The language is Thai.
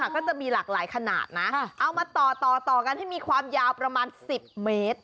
ก็จะมีหลากหลายขนาดนะเอามาต่อกันให้มีความยาวประมาณ๑๐เมตร